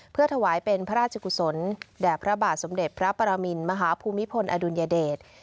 เพื่อถวายเป็นพระราชกุศลแด่พระบาทสมเด็จพระปรมินมหาภูมิพลอดุลยเดช